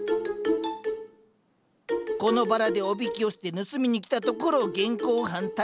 このバラでおびき寄せて盗みに来たところを現行犯逮捕っと。